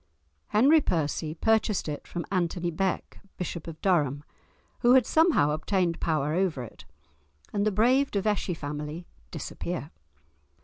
Henry Percy purchased it from Anthony Bek, Bishop of Durham, who had somehow obtained power over it, and the brave De Vesci family disappear.